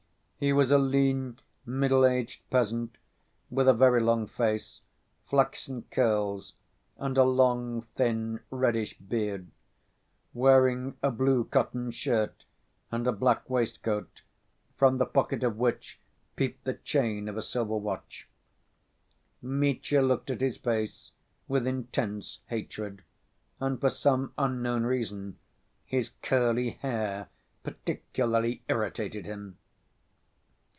He was a lean, middle‐aged peasant, with a very long face, flaxen curls, and a long, thin, reddish beard, wearing a blue cotton shirt and a black waistcoat, from the pocket of which peeped the chain of a silver watch. Mitya looked at his face with intense hatred, and for some unknown reason his curly hair particularly irritated him.